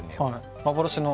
幻の。